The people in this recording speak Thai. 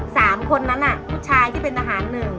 สามคนนั้นน่ะผู้ชายที่เป็นทหารหนึ่ง